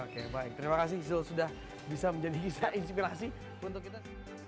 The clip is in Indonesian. oke baik terima kasih zul sudah bisa menjadi kisah inspirasi untuk kita